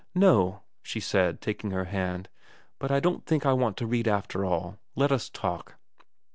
' No,' she said, taking her hand. ' But I don't think I want to read after all. Let us talk.'